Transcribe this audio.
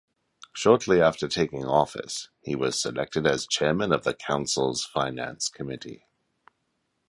Shortly after taking office, he was selected as Chairman of the Council's Finance Committee.